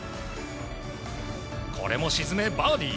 これも沈め、バーディー。